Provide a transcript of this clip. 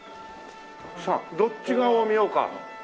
さあどっち側を見ようか？